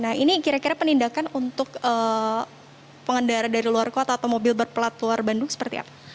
nah ini kira kira penindakan untuk pengendara dari luar kota atau mobil berplat luar bandung seperti apa